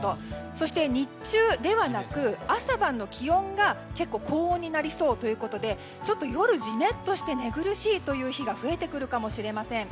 そして日中ではなく朝晩の気温が結構高温になりそうということで夜、ジメッとして寝苦しいという日が増えてくるかもしれません。